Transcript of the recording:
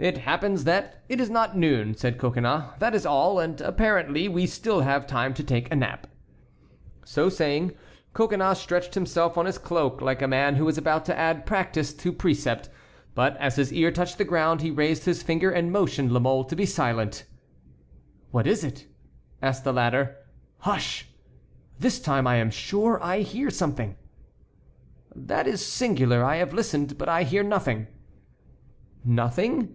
"It happens that it is not noon," said Coconnas, "that is all, and, apparently, we still have time to take a nap." So saying, Coconnas stretched himself on his cloak like a man who is about to add practice to precept; but as his ear touched the ground he raised his finger and motioned La Mole to be silent. "What is it?" asked the latter. "Hush! this time I am sure I hear something." "That is singular; I have listened, but I hear nothing." "Nothing?"